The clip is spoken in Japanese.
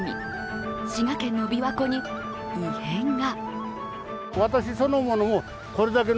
滋賀県の琵琶湖に異変が。